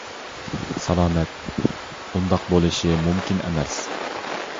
سالامەت : ئۇنداق بولۇشى مۇمكىن ئەمەس.